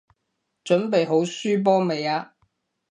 準備好輸波未啊？